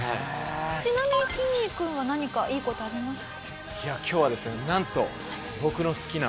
ちなみにきんに君は何かいい事ありました？